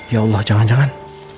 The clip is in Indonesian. ya allah jangan jangan